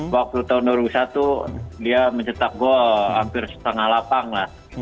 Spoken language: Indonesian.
waktu tahun dua ribu satu dia mencetak gol hampir setengah lapang lah